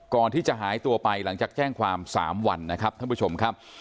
ก่อนที่จะหายตัวไปหลังจากแจ้งความ๓วันนะครับท่านผู้ชมครับ